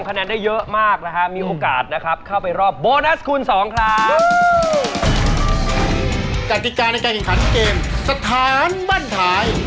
การกิจการในการแข่งขันเกมสถานบ้านท้าย